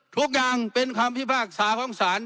ทุกอย่างเป็นคำพิพากษาของศาล